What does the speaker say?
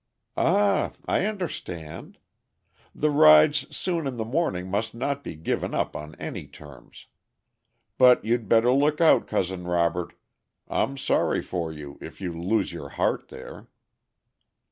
"Ah! I understand. The rides soon in the morning must not be given up on any terms. But you'd better look out, Cousin Robert. I'm sorry for you if you lose your heart there."